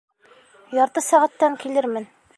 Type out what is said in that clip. Ярты сәғәттән килермен.